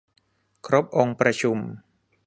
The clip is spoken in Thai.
ครบองค์ประชุม